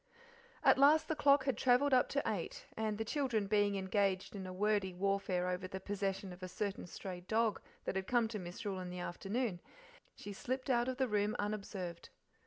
At last the clock had travelled up to eight, and the children being engaged in a wordy warfare over the possession of a certain stray dog that had come to Misrule in the afternoon, she slipped out of the room unobserved.